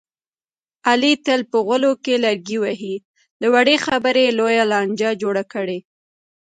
علي تل په غولو کې لرګي وهي، له وړې خبرې لویه لانجه جوړه کړي.